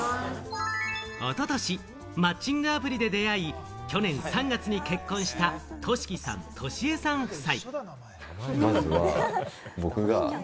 一昨年、マッチングアプリで出会い、去年３月に結婚した、としきさん、としえさん夫妻。